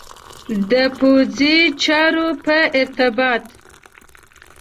د پوځي چارو په ارتباط.